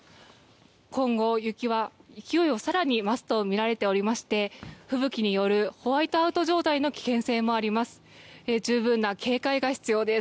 今後、雪は勢いを更に増すとみられておりまして吹雪によるホワイトアウト状態の危険性もあります。